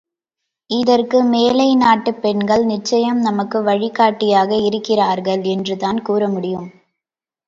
இதற்கு மேலை நாட்டுப் பெண்கள் நிச்சயம் நமக்கு வழிகாட்டியாக இருக்கிறார்கள் என்றுதான் கூறமுடியும்.